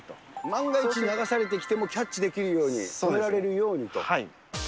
万が一流されてきてもキャッチできるように、止められるようにと。